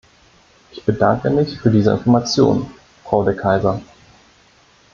Ich bedanke mich für diese Information, Frau De Keyser.